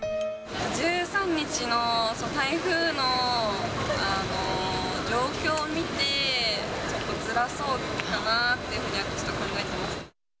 １３日の台風の状況を見て、ちょっとずらそうかなっていうふうには考えています。